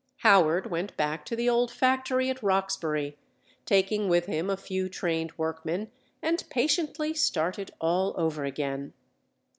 Howard went back to the old factory at Roxbury, taking with him a few trained workmen, and patiently started all over again.